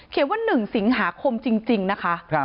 ว่า๑สิงหาคมจริงนะคะ